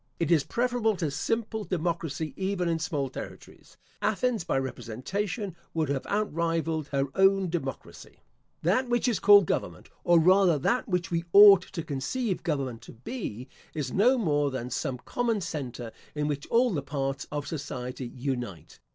It is preferable to simple democracy even in small territories. Athens, by representation, would have outrivalled her own democracy. That which is called government, or rather that which we ought to conceive government to be, is no more than some common center in which all the parts of society unite.